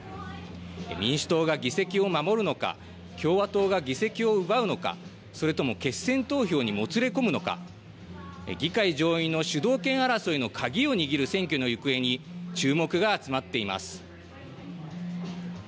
民主党が議席を守るのか共和党が議席を奪うのかそれとも決戦投票にもつれ込むのか、議会上院の主導権争いの鍵を握る選挙の行方に注目が集まっています。